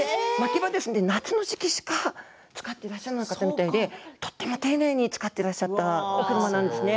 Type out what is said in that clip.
夏の時期しか使われていらっしゃらなかったみたいでとても丁寧に使っていらっしゃった車なんですね。